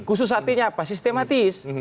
khusus artinya apa sistematis